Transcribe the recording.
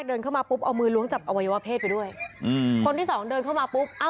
คิดว่าเขาคงจะป่วยอะไรนะเนอะ